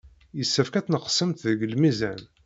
Yessefk ad tneqsemt deg lmizan.